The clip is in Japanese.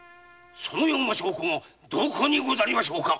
そのような証拠がどこにござりましょうか。